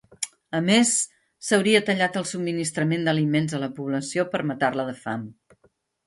A més s'hauria tallat el subministrament d'aliments a la població per matar-la de fam.